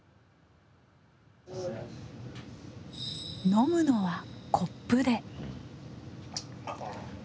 飲むのはコップで。